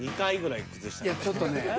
いやちょっとね。